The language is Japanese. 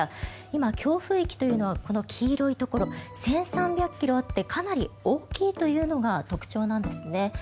今、強風域というのはこの黄色いところ１３００ｋｍあってかなり大きいというのが特徴なんですね。